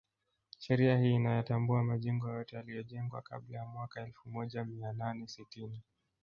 Sheria hii inayatambua majengo yote yaliyojengwa kabla ya mwaka elfu moja Mia nane sitini